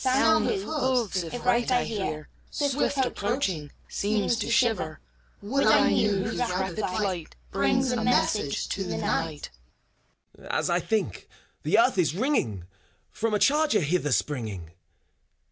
Sound of hoofs, if right I hear, Swift approaching, seems to shiver. Would I knew whose rapid flight Brings a message to the Night ! FAUST. As I think, the earth is ringing • From a charger, hither springing.